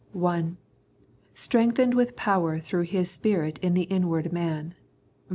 (i) " Strengthened with power through His Spirit in the inward man " (ver.